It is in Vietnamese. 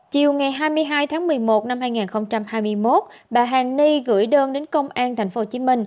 chiều ngày hai mươi hai tháng một mươi một năm hai nghìn hai mươi một bà hàn ni gửi đơn đến công an tp hcm